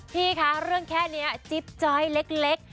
พี่คะเรื่องแค่นี้จิ๊บจ้อยเล็ก